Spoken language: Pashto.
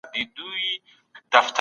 په اسلام کي بې ګناه انسان نه وژل کېږي.